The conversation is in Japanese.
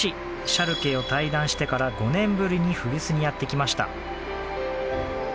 シャルケを退団してから５年ぶりに古巣にやってきました。